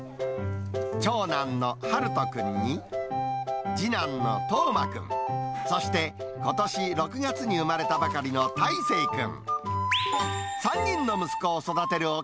長男のはるとくんに、次男のとうま君、そして、ことし６月に産まれたばかりの大誠くん。